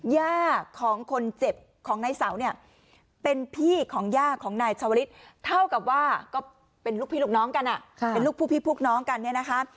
ย่าของคนเจ็บของในสาวเนี่ยเป็นพี่ของย่าของนายชาวฤทธิ์เท่ากับว่าก็เป็นลูกพี่ลูกน้องกันนะ